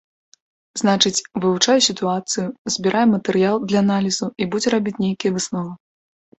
Значыць, вывучае сітуацыю, збірае матэрыял для аналізу і будзе рабіць нейкія высновы.